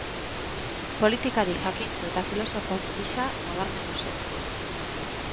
Politikari, jakintsu eta filosofo gisa nabarmendu zen.